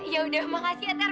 yaudah makasih ya ter